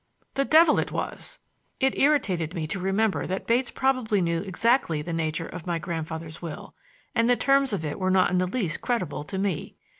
"The devil it was!" It irritated me to remember that Bates probably knew exactly the nature of my grandfather's will; and the terms of it were not in the least creditable to me.